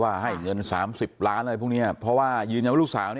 ว่าให้เงิน๓๐ล้านอะไรพวกนี้เพราะว่าเนื้อลูกศาว